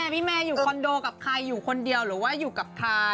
พี่แมร์อยู่คอนโดกับใครอยู่คนเดียวหรือว่าอยู่กับใคร